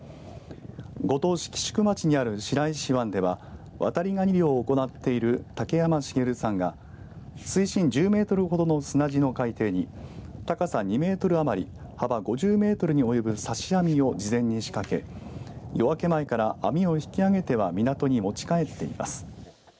五島市岐宿町にある白石湾ではワタリガニ漁を行っている竹山茂さんが水深１０メートルほどの砂地の海底に高さ２メートル余り幅５０メートルに及ぶ刺し網を事前に仕掛け夜明け前から網を引き上げては港に持ち帰っています。